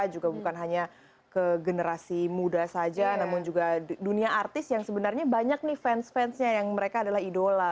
juga bukan hanya ke generasi muda saja namun juga dunia artis yang sebenarnya banyak nih fans fansnya yang mereka adalah idola